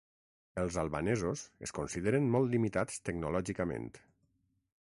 Els "albanesos" es consideren molt limitats tecnològicament.